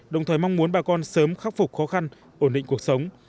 đồng thời mong muốn bà con sớm khắc phục khó khăn ổn định cuộc sống